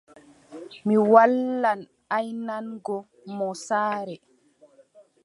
Mi waalan aynango mo saare.